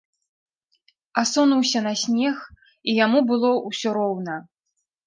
Асунуўся на снег, і яму было ўсё роўна.